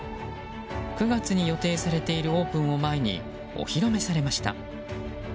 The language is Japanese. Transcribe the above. ９月に予定されているオープンを前にお披露目されました。